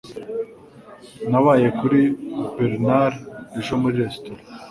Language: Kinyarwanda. Nabaye kuri Bernard ejo muri resitora.